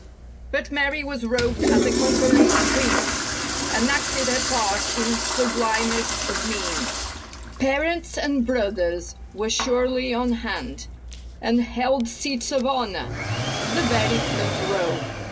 But Mary was robed as a conquering queen And acted her part in sublimest of mien. Parents and brothers were surely on hand And held seats of honor—the very front row.